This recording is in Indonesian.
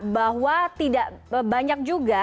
bahwa tidak banyak juga